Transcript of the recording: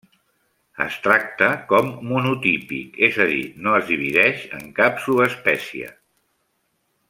Es tracta com monotípic, és a dir, no es divideix en cap subespècie.